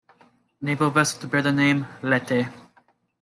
Naval vessel to bear the name "Leyte".